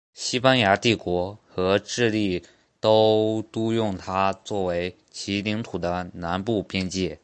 西班牙帝国和智利都督用它作为其领土的南部边界。